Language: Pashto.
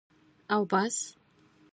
او بس.